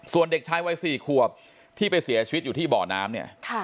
ส่วนเด็กชายวัย๔ขวบที่ไปเสียชีวิตอยู่ที่บ่อน้ำเนี่ย